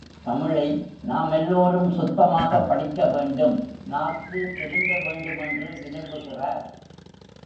தமிழை நாம் எல்லோரும் சுத்தமாகப் படிக்க வேண்டும், நாக்கு திருந்த வேண்டுமென்று விரும்புகிறார்.